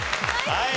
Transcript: はい。